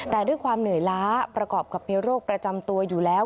แต่ด้วยความเหนื่อยล้าประกอบกับมีโรคประจำตัวอยู่แล้ว